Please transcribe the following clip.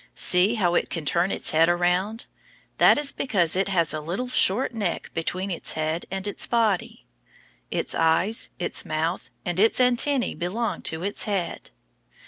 See how it can turn its head around. That is because it has a little short neck between its head and its body. Its eyes, its mouth, and its antennæ belong to its head.